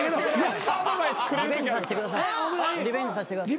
リベンジさせてください。